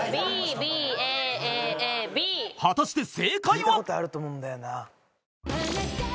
［果たして正解は］